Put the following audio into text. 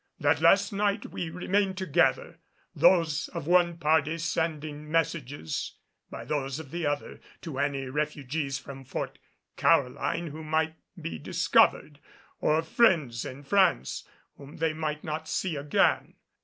That last night we remained together, those of one party sending messages by those of the other to any refugees from Fort Caroline who might be discovered, or friends in France whom they might not see again.